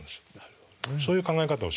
そういう考え方をします。